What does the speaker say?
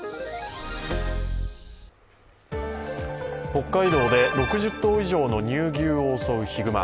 北海道で６０頭以上の乳牛を襲うヒグマ。